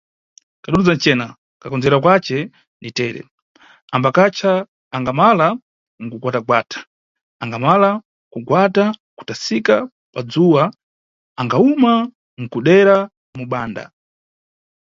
Kadududza ncena, kakondzerwa kace ni tere, ambakacha, angamala nkugwatagwata, angamala kugwata kuthasika padzuwa angawuma nkudera mubanda.